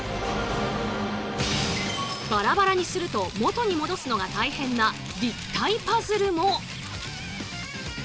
バラバラにすると元に戻すのが大変な立体パズルも。